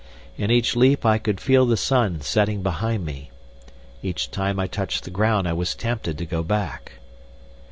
In each leap I could feel the sun setting behind me. Each time I touched the ground I was tempted to go back.